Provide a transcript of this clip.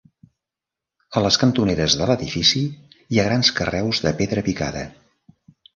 A les cantoneres de l'edifici hi ha grans carreus de pedra picada.